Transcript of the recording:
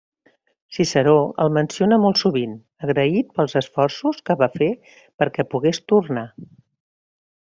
Ciceró el menciona molt sovint, agraït pels esforços que va fer perquè pogués tornar.